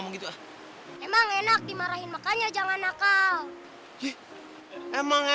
minta email lagi sama tahu deh